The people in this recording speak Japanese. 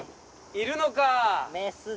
いるのか。